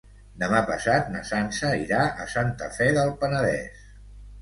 Demà passat na Sança irà a Santa Fe del Penedès.